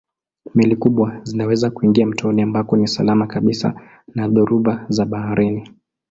Meli kubwa zinaweza kuingia mtoni ambako ni salama kabisa na dhoruba za baharini.